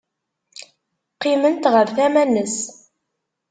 Qqiment ɣer tama-nnes.